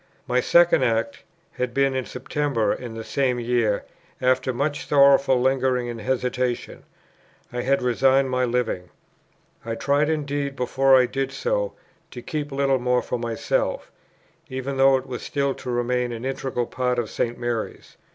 My second act had been in September in the same year; after much sorrowful lingering and hesitation, I had resigned my Living. I tried indeed, before I did so, to keep Littlemore for myself, even though it was still to remain an integral part of St. Mary's.